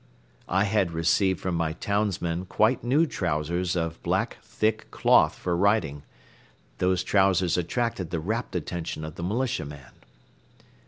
I had received from my townsmen quite new trousers of black thick cloth for riding. Those trousers attracted the rapt attention of the militiaman.